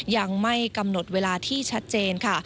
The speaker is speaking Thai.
ยังไม่กำหนดเวลาที่ชัดเจนค่ะ